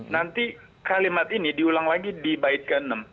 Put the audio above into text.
nanti kalimat ini diulang lagi di bait ke enam